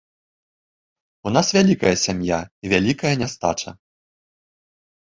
У нас вялікая сям'я і вялікая нястача.